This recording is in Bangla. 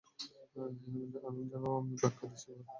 এবং যেভাবে আমি ব্যাখ্যা দেব সেভাবেই তা বাস্তবায়িত হবে।